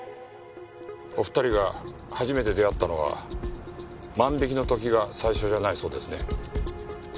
お二人が初めて出会ったのは万引きの時が最初じゃないそうですね？